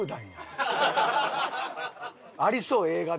ありそう映画で。